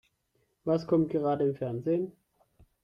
Was kommt gerade im Fernsehen?